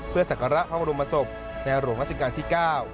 เพื่อศักระพระพระรมมศพในหลวงราชกาลที่๙